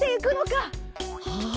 はあ！